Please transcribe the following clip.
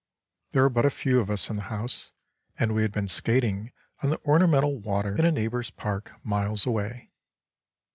There were but few of us in the house, and we had been skating on the ornamental water in a neighbour's park, miles away.